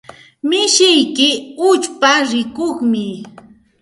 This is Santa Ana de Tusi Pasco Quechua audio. Mishiyki uchpa rikuqmi.